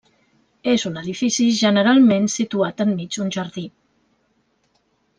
És un edifici generalment situat enmig d'un jardí.